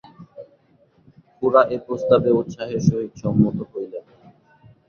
খুড়া এ প্রস্তাবে উৎসাহের সহিত সম্মত হইলেন।